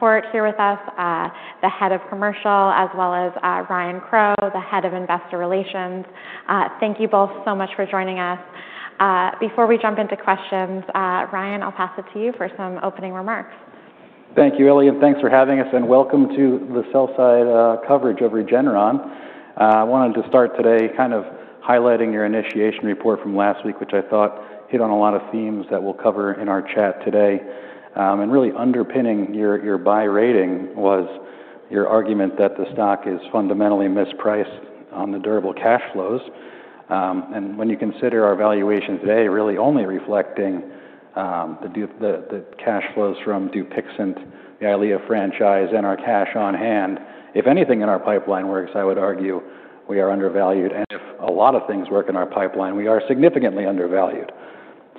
Here with us, the Head of Commercial, as well as Ryan Crowe, the Head of Investor Relations. Thank you both so much for joining us. Before we jump into questions, Ryan, I'll pass it to you for some opening remarks. Thank you, Ellie, and thanks for having us, and welcome to the sell-side coverage of Regeneron. I wanted to start today kind of highlighting your initiation report from last week, which I thought hit on a lot of themes that we'll cover in our chat today. Really underpinning your buy rating was your argument that the stock is fundamentally mispriced on the durable cash flows. When you consider our valuation today really only reflecting the cash flows from DUPIXENT, the EYLEA franchise, and our cash on hand, if anything in our pipeline works, I would argue we are undervalued. If a lot of things work in our pipeline, we are significantly undervalued.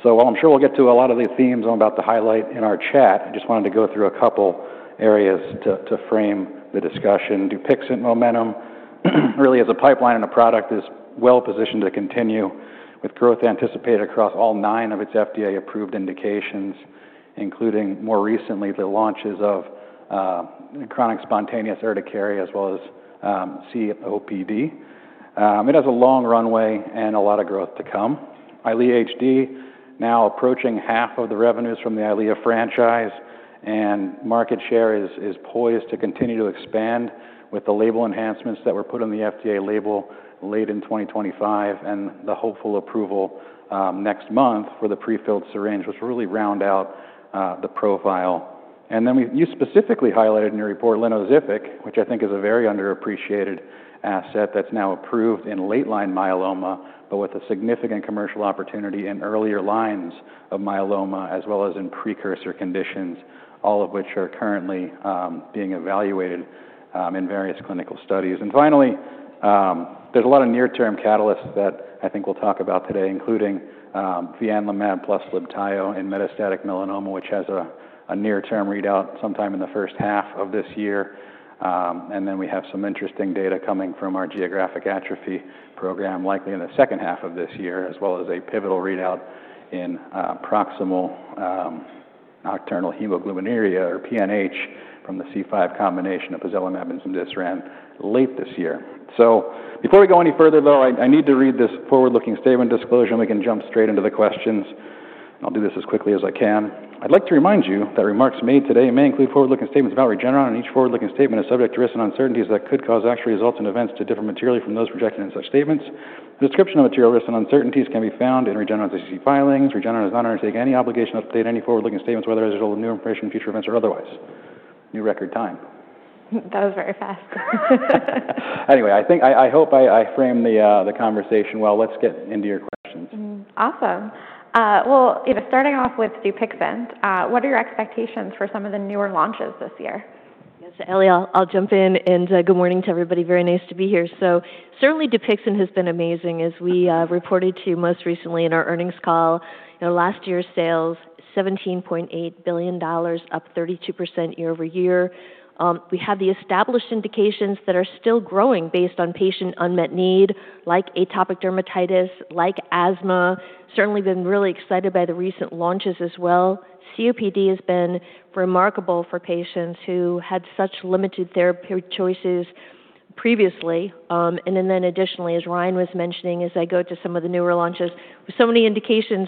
While I'm sure we'll get to a lot of these themes I'm about to highlight in our chat, I just wanted to go through a couple areas to frame the discussion. DUPIXENT momentum really as a pipeline and a product is well-positioned to continue with growth anticipated across all nine of its FDA-approved indications, including more recently the launches of chronic spontaneous urticaria as well as COPD. It has a long runway and a lot of growth to come. EYLEA HD now approaching half of the revenues from the EYLEA franchise and market share is poised to continue to expand with the label enhancements that were put on the FDA label late in 2025 and the hopeful approval next month for the prefilled syringe, which will really round out the profile. Then we've... You specifically highlighted in your report LYNOZYFIC, which I think is a very underappreciated asset that's now approved in late-line myeloma, but with a significant commercial opportunity in earlier lines of myeloma as well as in precursor conditions, all of which are currently being evaluated in various clinical studies. Finally, there's a lot of near-term catalysts that I think we'll talk about today, including fianlimab plus LIBTAYO in metastatic melanoma, which has a near-term readout sometime in the first half of this year. Then we have some interesting data coming from our geographic atrophy program likely in the second half of this year, as well as a pivotal readout in paroxysmal nocturnal hemoglobinuria, or PNH, from the C5 combination of pozelimab and cemdisiran late this year. Before we go any further though, I need to read this forward-looking statement disclosure, and then we can jump straight into the questions. I'll do this as quickly as I can. I'd like to remind you that remarks made today may include forward-looking statements about Regeneron, and each forward-looking statement is subject to risks and uncertainties that could cause actual results and events to differ materially from those projected in such statements. A description of material risks and uncertainties can be found in Regeneron's SEC filings. Regeneron does not undertake any obligation to update any forward-looking statements, whether as a result of new information, future events or otherwise. New record time. That was very fast. Anyway, I hope I framed the conversation well. Let's get into your questions. Awesome. Well, starting off with DUPIXENT, what are your expectations for some of the newer launches this year? Yes, Ellie, I'll jump in and good morning to everybody. Very nice to be here. Certainly DUPIXENT has been amazing, as we reported to you most recently in our earnings call. You know, last year's sales $17.8 billion, up 32% year-over-year. We have the established indications that are still growing based on patient unmet need, like atopic dermatitis, like asthma. Certainly been really excited by the recent launches as well. COPD has been remarkable for patients who had such limited therapeutic choices previously. Additionally, as Ryan was mentioning, as I go to some of the newer launches, with so many indications,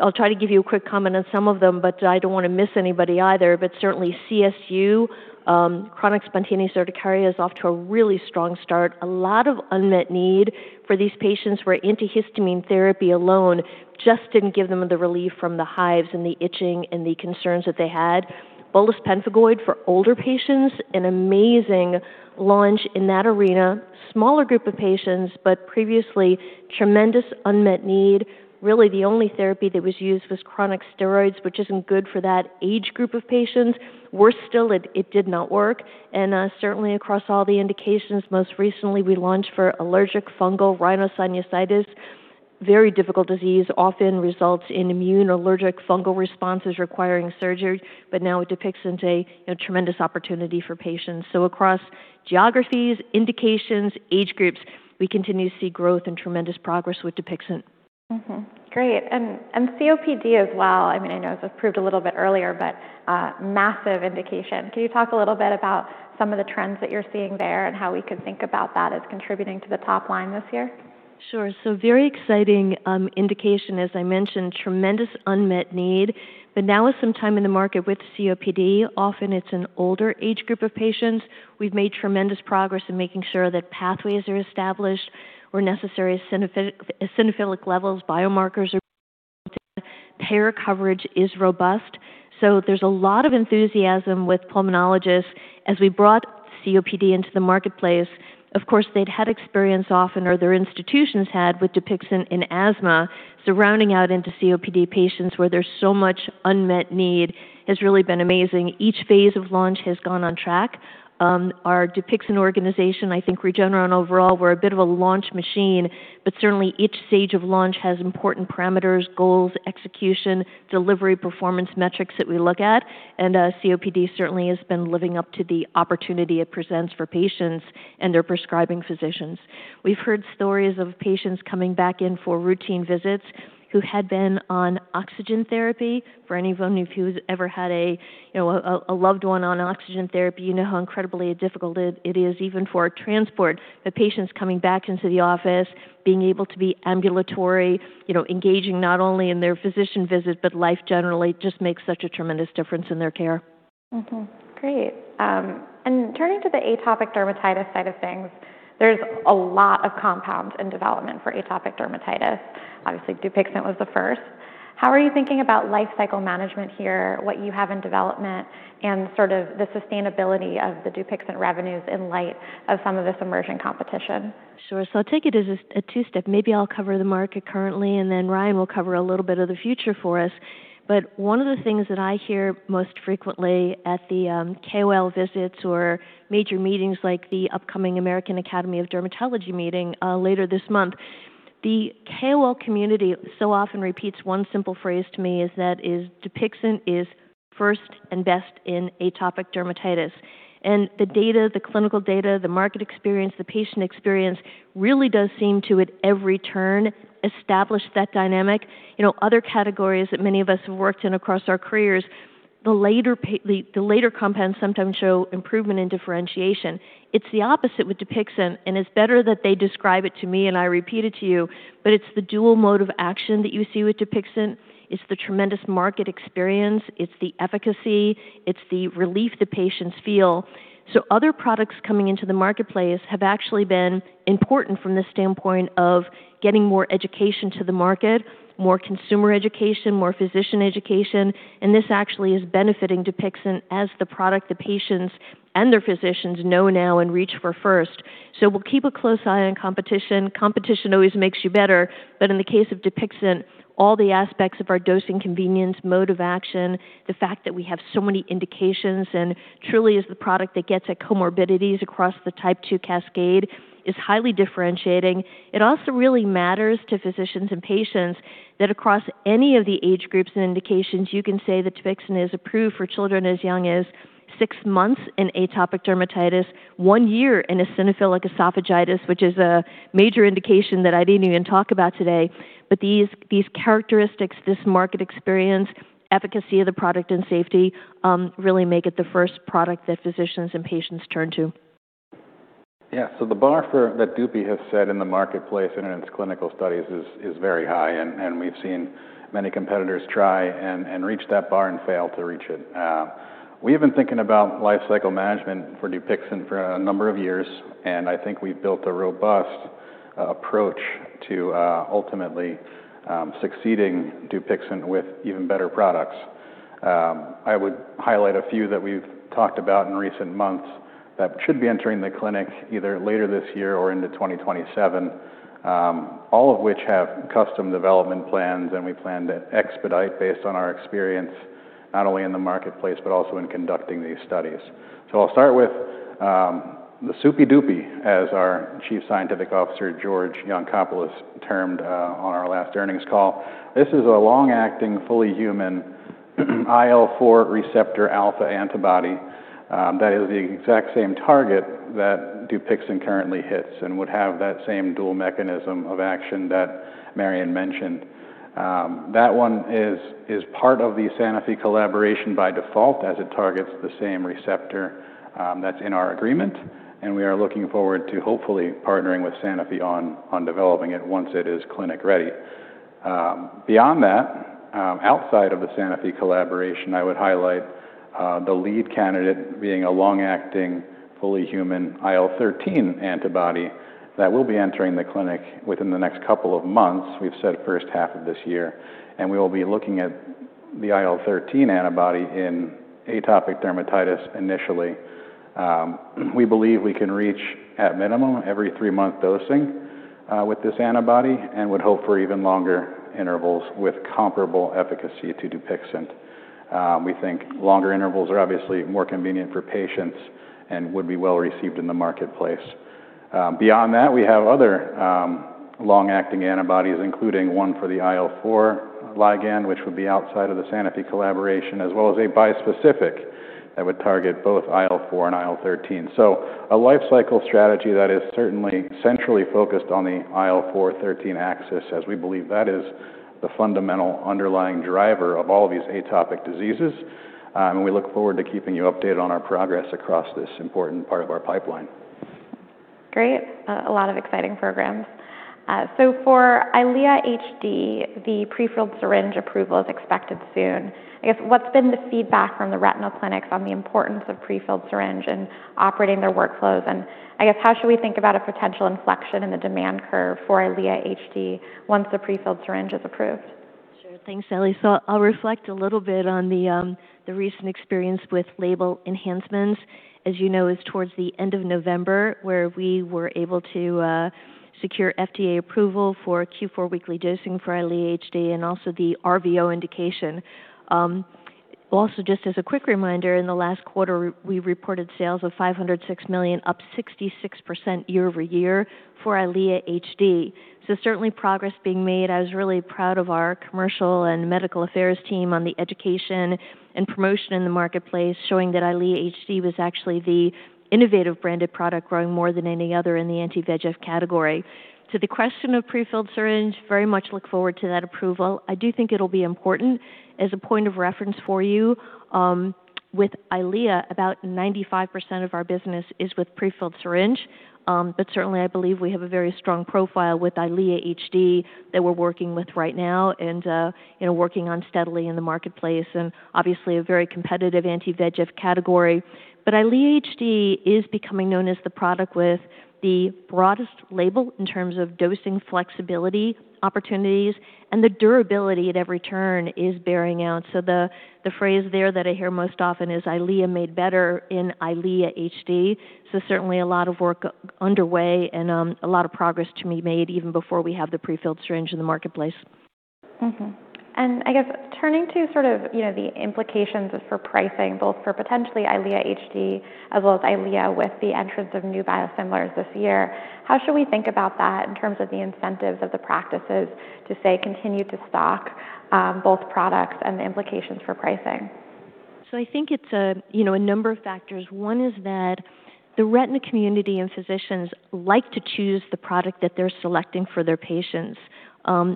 I'll try to give you a quick comment on some of them, but I don't want to miss anybody either. Certainly CSU, chronic spontaneous urticaria, is off to a really strong start. A lot of unmet need for these patients where antihistamine therapy alone just didn't give them the relief from the hives and the itching and the concerns that they had. Bullous pemphigoid for older patients, an amazing launch in that arena. Smaller group of patients, but previously tremendous unmet need. Really the only therapy that was used was chronic steroids, which isn't good for that age group of patients. Worse still, it did not work. Certainly across all the indications, most recently we launched for allergic fungal rhinosinusitis. Very difficult disease, often results in immune or allergic fungal responses requiring surgery, but now with DUPIXENT a, you know, tremendous opportunity for patients. Across geographies, indications, age groups, we continue to see growth and tremendous progress with DUPIXENT. Great. COPD as well, I mean, I know it was approved a little bit earlier, but massive indication. Can you talk a little bit about some of the trends that you're seeing there and how we could think about that as contributing to the top line this year? Sure. Very exciting indication. As I mentioned, tremendous unmet need. Now with some time in the market with COPD, often it's an older age group of patients. We've made tremendous progress in making sure that pathways are established where necessary eosinophilic levels, biomarkers are- Payer coverage is robust. There's a lot of enthusiasm with pulmonologists. As we brought COPD into the marketplace, of course, they'd had experience often, or their institutions had, with DUPIXENT in asthma. Rounding out into COPD patients where there's so much unmet need has really been amazing. Each phase of launch has gone on track. Our DUPIXENT organization, I think Regeneron overall, we're a bit of a launch machine, but certainly each stage of launch has important parameters, goals, execution, delivery, performance metrics that we look at. COPD certainly has been living up to the opportunity it presents for patients and their prescribing physicians. We've heard stories of patients coming back in for routine visits who had been on oxygen therapy. For any of you who's ever had a loved one on oxygen therapy, you know how incredibly difficult it is even for transport. Patients coming back into the office, being able to be ambulatory, you know, engaging not only in their physician visits, but life generally, just makes such a tremendous difference in their care. Turning to the atopic dermatitis side of things, there's a lot of compounds in development for atopic dermatitis. Obviously, DUPIXENT was the first. How are you thinking about life cycle management here, what you have in development, and sort of the sustainability of the DUPIXENT revenues in light of some of this emerging competition? Sure. I'll take it as a two-step. Maybe I'll cover the market currently, and then Ryan will cover a little bit of the future for us. One of the things that I hear most frequently at the KOL visits or major meetings like the upcoming American Academy of Dermatology meeting later this month, the KOL community so often repeats one simple phrase to me, is that DUPIXENT is first and best in atopic dermatitis. The data, the clinical data, the market experience, the patient experience really does seem to, at every turn, establish that dynamic. You know, other categories that many of us have worked in across our careers, the later compounds sometimes show improvement in differentiation. It's the opposite with DUPIXENT, and it's better that they describe it to me and I repeat it to you, but it's the dual mode of action that you see with DUPIXENT. It's the tremendous market experience. It's the efficacy. It's the relief the patients feel. Other products coming into the marketplace have actually been important from the standpoint of getting more education to the market, more consumer education, more physician education, and this actually is benefiting DUPIXENT as the product the patients and their physicians know now and reach for first. We'll keep a close eye on competition. Competition always makes you better. In the case of DUPIXENT, all the aspects of our dosing convenience, mode of action, the fact that we have so many indications and truly is the product that gets at comorbidities across the type 2 cascade is highly differentiating. It also really matters to physicians and patients that across any of the age groups and indications, you can say that DUPIXENT is approved for children as young as six months in atopic dermatitis, one year in eosinophilic esophagitis, which is a major indication that I didn't even talk about today. These characteristics, this market experience, efficacy of the product and safety, really make it the first product that physicians and patients turn to. Yeah. The bar that DUPIXENT has set in the marketplace and in its clinical studies is very high, and we've seen many competitors try and reach that bar and fail to reach it. We have been thinking about life cycle management for DUPIXENT for a number of years, and I think we've built a robust approach to ultimately succeeding DUPIXENT with even better products. I would highlight a few that we've talked about in recent months that should be entering the clinic either later this year or into 2027, all of which have custom development plans, and we plan to expedite based on our experience, not only in the marketplace, but also in conducting these studies. I'll start with the Super Dupie, as our chief scientific officer, George Yancopoulos, termed on our last earnings call. This is a long-acting, fully human IL-4 receptor alpha antibody, that is the exact same target that DUPIXENT currently hits and would have that same dual mechanism of action that Marion mentioned. That one is part of the Sanofi collaboration by default, as it targets the same receptor, that's in our agreement, and we are looking forward to hopefully partnering with Sanofi on developing it once it is clinic ready. Beyond that, outside of the Sanofi collaboration, I would highlight the lead candidate being a long-acting, fully human IL-13 antibody that will be entering the clinic within the next couple of months. We've said first half of this year, and we will be looking at the IL-13 antibody in atopic dermatitis initially. We believe we can reach at minimum every three-month dosing with this antibody and would hope for even longer intervals with comparable efficacy to DUPIXENT. We think longer intervals are obviously more convenient for patients and would be well received in the marketplace. Beyond that, we have other long-acting antibodies, including one for the IL-4 ligand, which would be outside of the Sanofi collaboration, as well as a bispecific that would target both IL-4 and IL-13. A life cycle strategy that is certainly centrally focused on the IL-4/IL-13 axis, as we believe that is the fundamental underlying driver of all these atopic diseases. We look forward to keeping you updated on our progress across this important part of our pipeline. Great. A lot of exciting programs. For EYLEA HD, the prefilled syringe approval is expected soon. I guess, what's been the feedback from the retinal clinics on the importance of prefilled syringe in operating their workflows? And I guess, how should we think about a potential inflection in the demand curve for EYLEA HD once the prefilled syringe is approved? Sure. Thanks, Ellie. I'll reflect a little bit on the recent experience with label enhancements. As you know, it was towards the end of November where we were able to secure FDA approval for every four-week dosing for EYLEA HD and also the RVO indication. Also just as a quick reminder, in the last quarter, we reported sales of $506 million, up 66% year-over-year for EYLEA HD. Certainly progress being made. I was really proud of our commercial and medical affairs team on the education and promotion in the marketplace, showing that EYLEA HD was actually the innovative branded product growing more than any other in the anti-VEGF category. To the question of prefilled syringe, very much look forward to that approval. I do think it'll be important. As a point of reference for you, with EYLEA, about 95% of our business is with prefilled syringe. Certainly I believe we have a very strong profile with EYLEA HD that we're working with right now and, you know, working on steadily in the marketplace and obviously a very competitive anti-VEGF category. EYLEA HD is becoming known as the product with the broadest label in terms of dosing flexibility opportunities, and the durability at every turn is bearing out. The phrase there that I hear most often is EYLEA made better in EYLEA HD. Certainly a lot of work underway and, a lot of progress to be made even before we have the prefilled syringe in the marketplace. I guess turning to sort of, you know, the implications for pricing, both for potentially EYLEA HD as well as EYLEA with the entrance of new biosimilars this year, how should we think about that in terms of the incentives of the practices to, say, continue to stock both products and the implications for pricing? I think it's a, you know, a number of factors. One is that the retina community and physicians like to choose the product that they're selecting for their patients.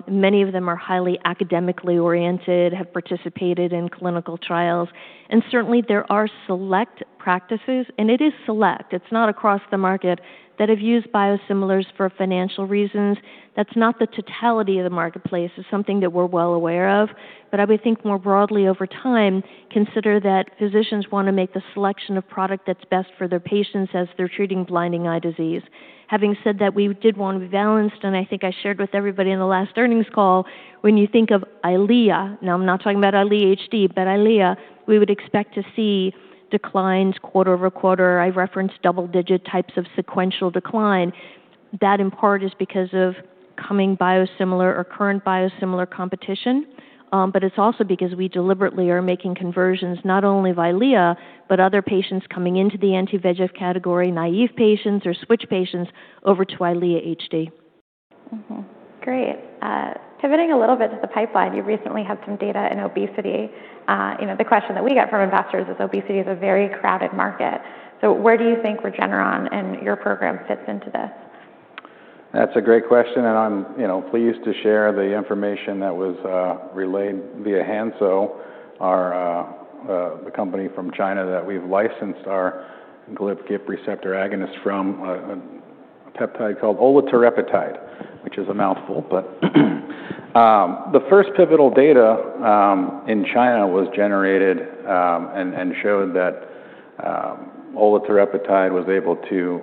Many of them are highly academically oriented, have participated in clinical trials. Certainly, there are select practices, and it is select, it's not across the market, that have used biosimilars for financial reasons. That's not the totality of the marketplace. It's something that we're well aware of. I would think more broadly over time, consider that physicians want to make the selection of product that's best for their patients as they're treating blinding eye disease. Having said that, we did one with [Valens] and I think I shared with everybody in the last earnings call, when you think of EYLEA, now I'm not talking about EYLEA HD, but EYLEA, we would expect to see declines quarter-over-quarter. I referenced double-digit types of sequential decline. That in part is because of coming biosimilar or current biosimilar competition. But it's also because we deliberately are making conversions not only of EYLEA, but other patients coming into the anti-VEGF category, naive patients or switch patients over to EYLEA HD Great. Pivoting a little bit to the pipeline, you recently had some data in obesity. You know, the question that we get from investors is obesity is a very crowded market. Where do you think Regeneron and your program fits into this? That's a great question, and I'm, you know, pleased to share the information that was relayed via Hansoh, our the company from China that we've licensed our GLP-1 receptor agonist from, a peptide called olatorepatide, which is a mouthful. The first pivotal data in China was generated and showed that olatorepatide was able to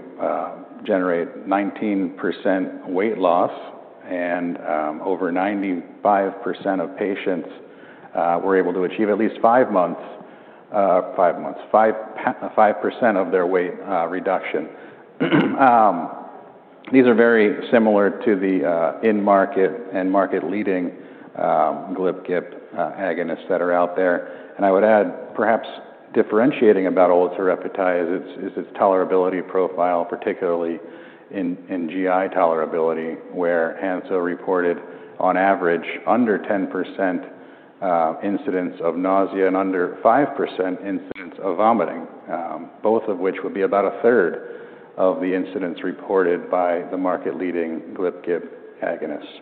generate 19% weight loss and over 95% of patients were able to achieve at least 5% of their weight reduction. These are very similar to the in-market and market-leading GLP-1 agonists that are out there. I would add perhaps differentiating about olatorepatide is its tolerability profile, particularly in GI tolerability, where Hansoh reported on average under 10% incidence of nausea and under 5% incidence of vomiting, both of which would be about a third of the incidence reported by the market-leading GLP-1 agonists.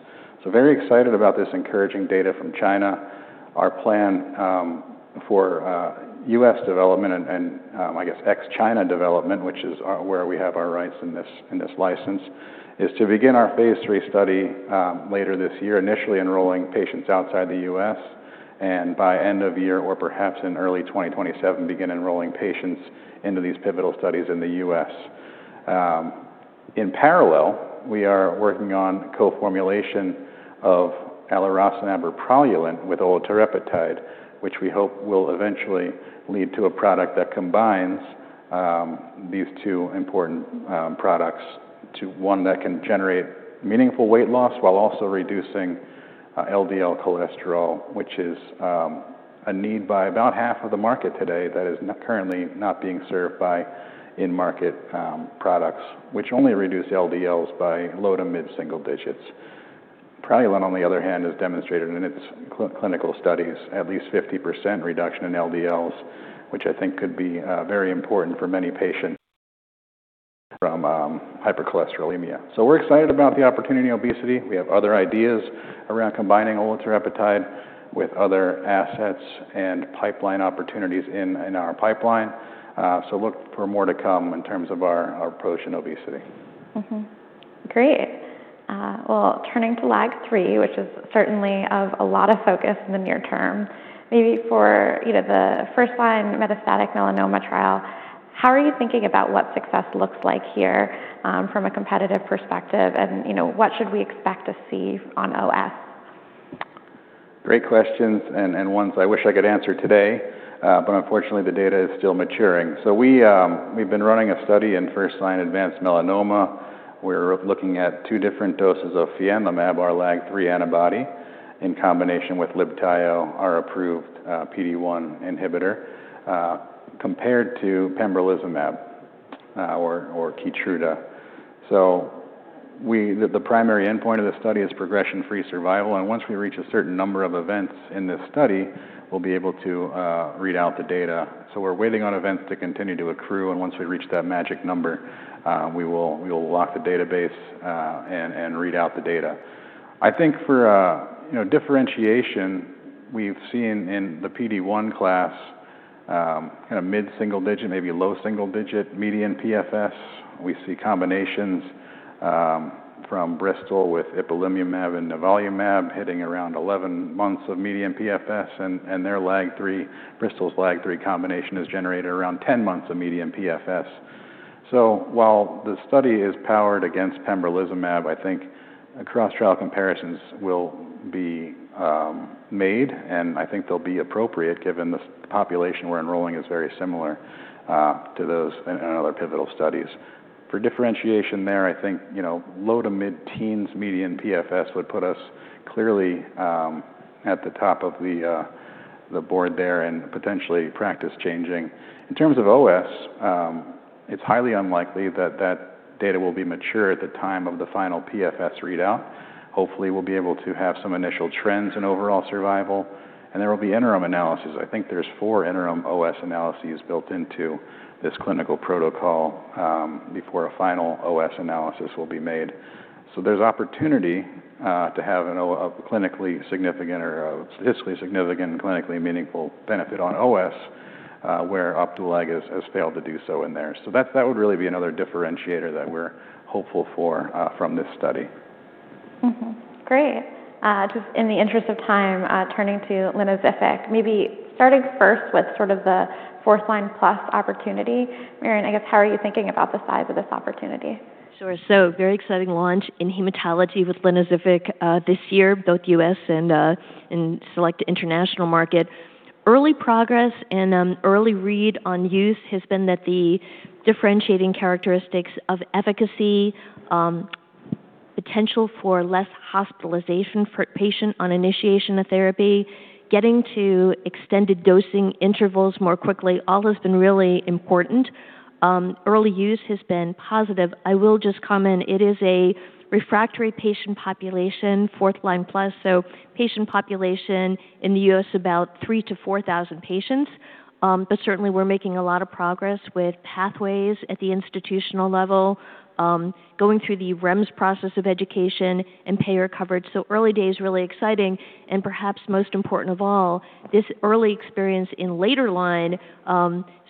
Very excited about this encouraging data from China. Our plan for US development and I guess ex-China development, which is where we have our rights in this license, is to begin our phase III study later this year, initially enrolling patients outside the US, and by end of year or perhaps in early 2027, begin enrolling patients into these pivotal studies in the US. In parallel, we are working on co-formulation of alirocumab or PRALUENT with olatorepatide, which we hope will eventually lead to a product that combines these two important products to one that can generate meaningful weight loss while also reducing LDL cholesterol, which is a need by about half of the market today that is currently not being served by in-market products, which only reduce LDLs by low to mid-single digits. PRALUENT, on the other hand, has demonstrated in its clinical studies at least 50% reduction in LDLs, which I think could be very important for many patients from hypercholesterolemia. We're excited about the opportunity in obesity. We have other ideas around combining olatorepatide with other assets and pipeline opportunities in our pipeline. Look for more to come in terms of our approach in obesity. Great. Well, turning to LAG-3, which is certainly of a lot of focus in the near term, maybe for, you know, the first-line metastatic melanoma trial, how are you thinking about what success looks like here, from a competitive perspective? You know, what should we expect to see on OS? Great questions and ones I wish I could answer today, but unfortunately the data is still maturing. We've been running a study in first-line advanced melanoma. We're looking at two different doses of fianlimab, our LAG-3 antibody, in combination with LIBTAYO, our approved PD-1 inhibitor, compared to pembrolizumab or KEYTRUDA. The primary endpoint of this study is progression-free survival, and once we reach a certain number of events in this study, we'll be able to read out the data. We're waiting on events to continue to accrue, and once we reach that magic number, we will lock the database and read out the data. I think, you know, for differentiation, we've seen in the PD-1 class kind of mid-single digit, maybe low single-digit median PFS. We see combinations from Bristol with ipilimumab and nivolumab hitting around 11 months of median PFS, and their LAG-3, Bristol's LAG-3 combination has generated around 10 months of median PFS. While the study is powered against pembrolizumab, I think cross-trial comparisons will be made, and I think they'll be appropriate given the population we're enrolling is very similar to those in other pivotal studies. For differentiation there, I think you know low to mid-teens median PFS would put us clearly at the top of the board there and potentially practice-changing. In terms of OS, it's highly unlikely that data will be mature at the time of the final PFS readout. Hopefully, we'll be able to have some initial trends in overall survival, and there will be interim analysis. I think there's four interim OS analyses built into this clinical protocol before a final OS analysis will be made. There's opportunity to have a clinically significant or a statistically significant and clinically meaningful benefit on OS where Opdualag has failed to do so in there. That would really be another differentiator that we're hopeful for from this study. Great. Just in the interest of time, turning to LYNOZYFIC, maybe starting first with sort of the fourth-line-plus opportunity. Marion, I guess, how are you thinking about the size of this opportunity? Sure. Very exciting launch in hematology with LYNOZYFIC this year, both U.S. and select international market. Early progress and early read on use has been that the differentiating characteristics of efficacy, potential for less hospitalization for patient on initiation of therapy, getting to extended dosing intervals more quickly, all has been really important. Early use has been positive. I will just comment, it is a refractory patient population, fourth-line plus, so patient population in the U.S. about 3,000-4,000 patients. Certainly we're making a lot of progress with pathways at the institutional level, going through the REMS process of education and payer coverage. Early days, really exciting, and perhaps most important of all, this early experience in later line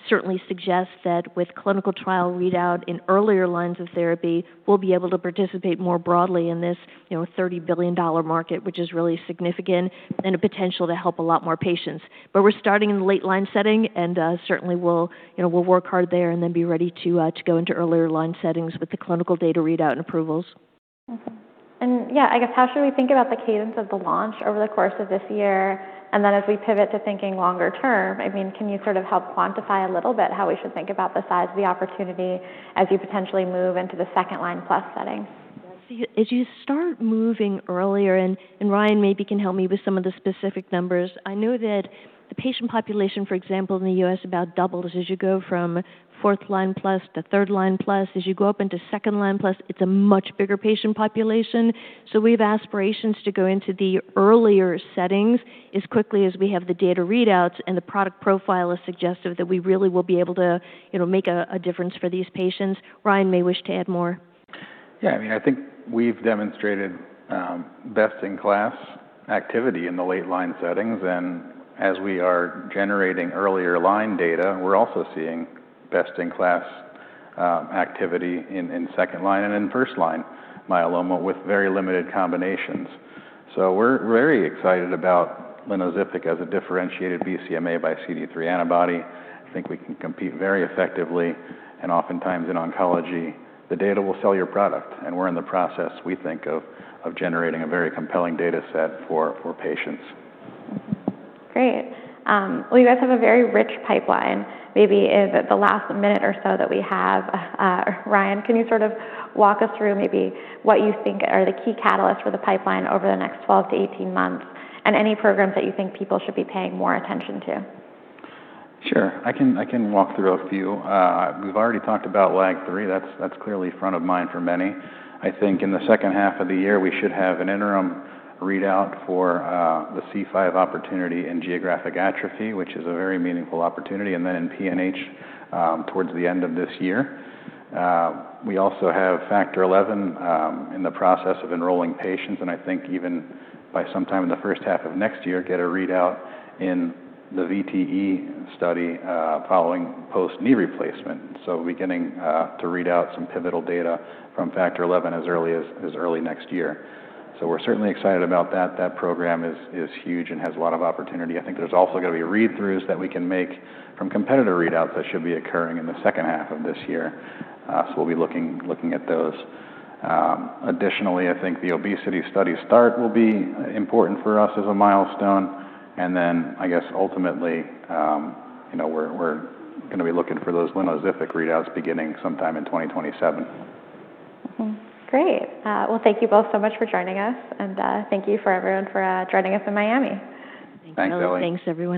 certainly suggests that with clinical trial readout in earlier lines of therapy, we'll be able to participate more broadly in this, you know, $30 billion market, which is really significant and a potential to help a lot more patients. We're starting in the late-line setting and certainly we'll, you know, we'll work hard there and then be ready to go into earlier line settings with the clinical data readout and approvals. Yeah, I guess how should we think about the cadence of the launch over the course of this year? As we pivot to thinking longer term, I mean, can you sort of help quantify a little bit how we should think about the size of the opportunity as you potentially move into the second-line plus setting? Yes. As you start moving earlier, and Ryan maybe can help me with some of the specific numbers, I know that the patient population, for example, in the U.S. about doubles as you go from fourth-line plus to third-line plus. As you go up into second-line plus, it's a much bigger patient population. We have aspirations to go into the earlier settings as quickly as we have the data readouts and the product profile is suggestive that we really will be able to, you know, make a difference for these patients. Ryan may wish to add more. Yeah. I mean, I think we've demonstrated best-in-class activity in the late-line settings, and as we are generating earlier line data, we're also seeing best-in-class activity in second line and in first line myeloma with very limited combinations. We're very excited about LYNOZYFIC as a differentiated BCMA by CD3 antibody. I think we can compete very effectively, and oftentimes in oncology, the data will sell your product, and we're in the process, we think, of generating a very compelling data set for patients. Great. Well, you guys have a very rich pipeline. Maybe in the last minute or so that we have, Ryan, can you sort of walk us through maybe what you think are the key catalysts for the pipeline over the next 12-18 months and any programs that you think people should be paying more attention to? Sure. I can walk through a few. We've already talked about LAG-3. That's clearly front of mind for many. I think in the second half of the year we should have an interim readout for the C5 opportunity in geographic atrophy, which is a very meaningful opportunity, and then in PNH, towards the end of this year. We also have Factor XI in the process of enrolling patients, and I think even by sometime in the first half of next year, get a readout in the VTE study following post-knee replacement. Beginning to read out some pivotal data from Factor XI as early as next year. We're certainly excited about that. That program is huge and has a lot of opportunity. I think there's also gonna be read-throughs that we can make from competitor readouts that should be occurring in the second half of this year. We'll be looking at those. Additionally, I think the obesity study start will be important for us as a milestone. I guess ultimately, you know, we're gonna be looking for those LYNOZYFIC readouts beginning sometime in 2027. Great. Well, thank you both so much for joining us, and thank you to everyone for joining us in Miami. Thanks, Ellie. Thanks, everyone.